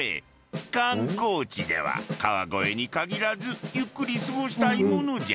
観光地では川越に限らずゆっくり過ごしたいものじゃ。